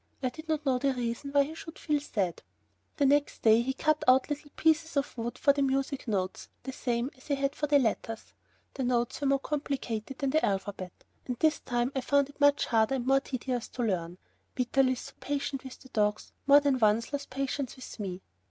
I did not know the reason why he should feel sad. The next day he cut out little pieces of wood for the music notes the same as he had for the letters. The notes were more complicated than the alphabet, and this time I found it much harder and more tedious to learn. Vitalis, so patient with the dogs, more than once lost patience with me.